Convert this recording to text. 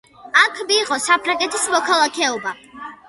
აქვე მიიღო საფრანგეთის მოქალაქეობა.